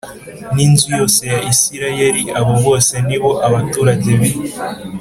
n inzu yose ya Isirayeli abo bose ni bo abaturage b i